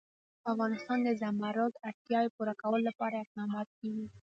په افغانستان کې د زمرد د اړتیاوو پوره کولو لپاره اقدامات کېږي.